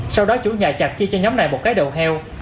sau đó chủ nhà chặt chia cho nhóm này một cái đầu heo